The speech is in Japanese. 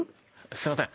すいません。